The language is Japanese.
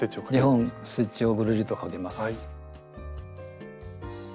２本ステッチをぐるりとかけます。